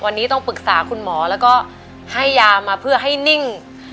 วันนี้ต้องปรึกษาคุณหมอแล้วก็ให้ยามาเพื่อให้นิ่ง